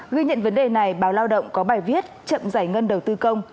ghi nhận vấn đề này báo lao động có bài viết chậm giải ngân đầu tư công